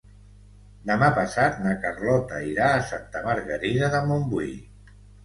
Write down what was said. Demà passat na Carlota irà a Santa Margarida de Montbui.